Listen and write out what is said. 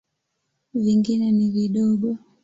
Vingine ni vidogo.